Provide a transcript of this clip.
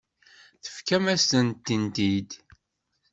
Tefkam-asen-tent-id.